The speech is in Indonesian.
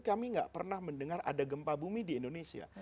kami tidak pernah mendengar ada gempa bumi di indonesia